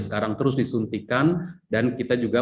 sekarang terus disuntikan dan kita juga